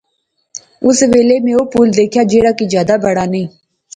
اس ویلے میں او پل دکھیا جیہڑا کی جادے بڑا نئیں